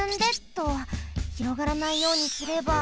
広がらないようにすれば。